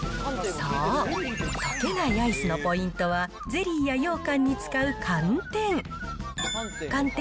そう、溶けないアイスのポイントは、ゼリーやようかんに使う寒天。